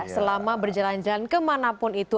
selama berjalan jalan kemanapun itu